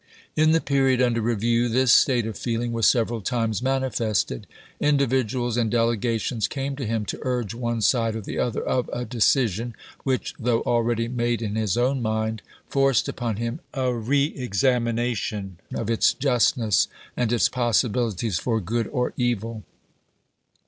In the period under review this state of feeling 1862. was several times manifested. Individuals and delegations came to him to urge one side or the other of a decision, which, though akeady made in his own mind, forced upon him a reexamination of its justness and its possibilities for good or evil.